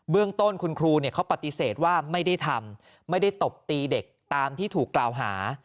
เรื่องต้นคุณครูเขาปฏิเสธว่าไม่ได้ทำไม่ได้ตบตีเด็กตามที่ถูกกล่าวหา